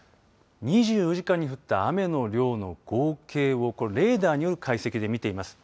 ２４時間に降った雨の量の合計をレーダーによる解析で見てみます。